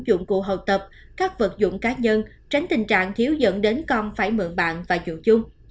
dụng cụ học tập các vật dụng cá nhân tránh tình trạng thiếu dẫn đến con phải mượn bạn và dụ chung